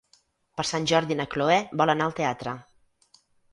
Per Sant Jordi na Cloè vol anar al teatre.